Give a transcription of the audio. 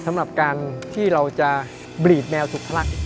สำหรับการที่เราจะบรีดแมวสุขลักษณ์